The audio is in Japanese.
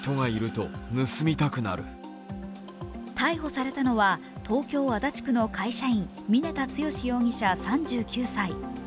逮捕されたのは、東京・足立区の会社員、峯田剛容疑者３９歳。